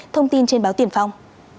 thông tin trên báo tiền phong